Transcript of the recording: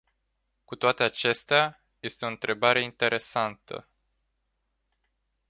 Cu toate acestea, este o întrebare interesantă.